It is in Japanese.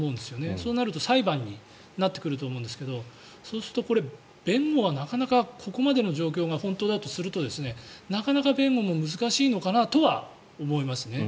そうなると裁判になってくると思うんですがそうすると、弁護はなかなかここまでの状況が本当だとするとなかなか弁護も難しいかなとは思いますね。